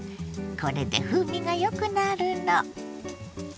これで風味がよくなるの。